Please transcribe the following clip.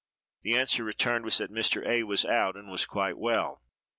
The answer returned was, that Mr. A—— was out, and was quite well.